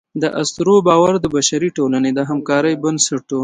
د اسطورو باور د بشري ټولنې د همکارۍ بنسټ و.